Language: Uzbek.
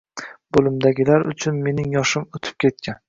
Bo‘limdagilar uchun mening yoshim o‘tib ketgan